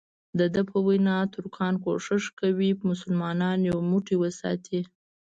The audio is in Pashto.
دده په وینا ترکانو کوښښ کاوه مسلمانان یو موټی وساتي.